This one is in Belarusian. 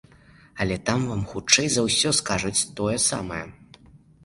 Але там вам хутчэй за ўсё скажуць тое самае.